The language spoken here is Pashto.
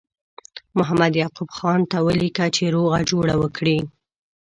محمد یعقوب خان ته ولیکه چې روغه جوړه وکړي.